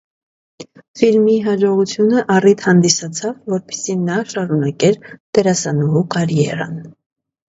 Ֆիլմի հաջողությունը առիթ հանդիսացավ, որպեսզի նա շարունակեր դերասանուհու կարիերան։